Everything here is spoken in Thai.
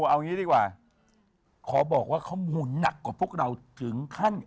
เอางี้ดีกว่าขอบอกว่าข้อมูลหนักกว่าพวกเราถึงขั้น